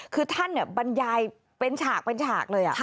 คือท่านบรรยายเป็นฉากเลย